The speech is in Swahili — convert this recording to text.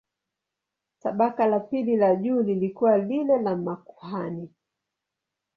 Tabaka la pili la juu lilikuwa lile la makuhani.